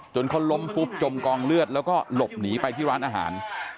เขาล้มฟุบจมกองเลือดแล้วก็หลบหนีไปที่ร้านอาหาร